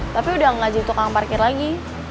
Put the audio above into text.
tapi udah gak jadi tukang parkir lagi